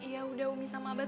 yaudah umi sama abang ya